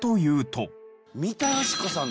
三田佳子さん